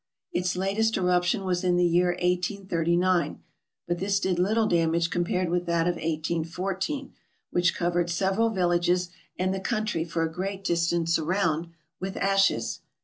Its latest eruption was in the year 1839 ; but this did little damage compared with that of 1 814, which covered several villages, and the country for a great distance around, with ashes.